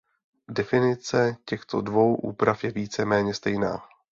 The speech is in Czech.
Definice těchto dvou úprav je více méně stejná.